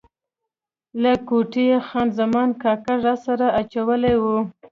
له کوټې یې خان زمان کاکړ راسره اچولی و.